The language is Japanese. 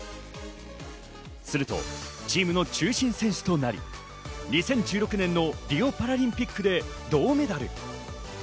するとチームの中心選手となり、２０１６年のリオパラリンピックで銅メダル。